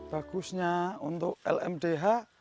bagusnya untuk lmdh